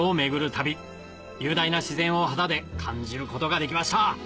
旅雄大な自然を肌で感じることができました